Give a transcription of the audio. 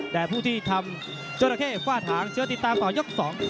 แต่ผู้ที่ทำจราเข้ฝ้าถางเชื้อติดตามต่อยก๒